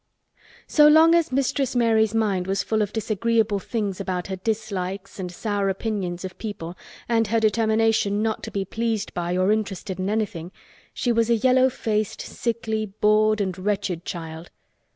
So long as Mistress Mary's mind was full of disagreeable thoughts about her dislikes and sour opinions of people and her determination not to be pleased by or interested in anything, she was a yellow faced, sickly, bored and wretched child.